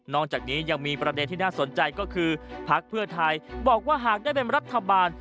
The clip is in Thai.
จากนี้ยังมีประเด็นที่น่าสนใจก็คือพักเพื่อไทยบอกว่าหากได้เป็นรัฐบาล